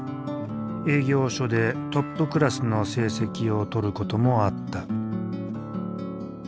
営業所でトップクラスの成績をとることもあった。